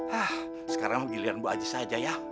hah sekarang mau pergi liat ibu aziz aja ya